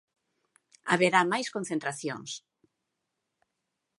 Haberá máis concentracións.